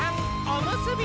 おむすび！